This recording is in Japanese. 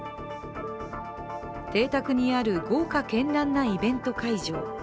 邸宅にある豪華絢爛なイベント会場。